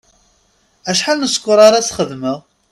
Acḥal n ssker ara as-xedmeɣ?